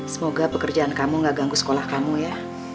semoga pekerjaan kamu gak ganggu sekolah kamu ya